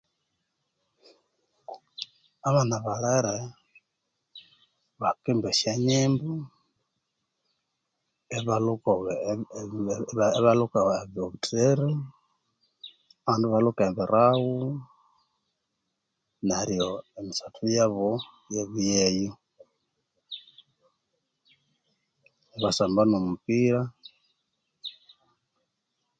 Abana balhere bakimba esyonyimbo ibaaa ibaaa lhuka obutiri abandi ibalhuka ebiraghu neryo emisathu yabo iyabya yeyo ibasamba nomupiira